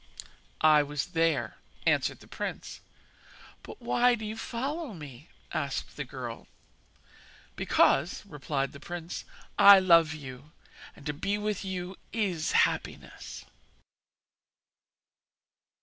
'I was there,' answered the prince. 'But why do you follow me?' asked the girl. 'Because,' replied the prince, 'I love you, and to be with you is happiness.'